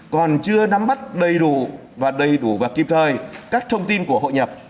còn chưa nắm bắt đầy đủ và đầy đủ và kịp thời các thông tin của hội nhập